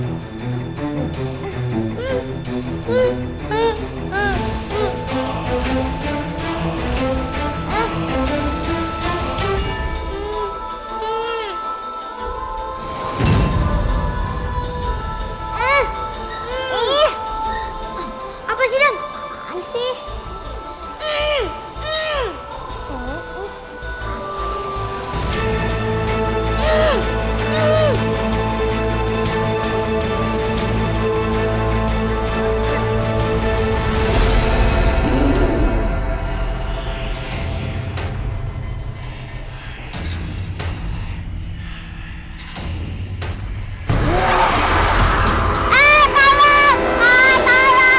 tapi saya sudah dianggap pemikat mbah sita untuk p overview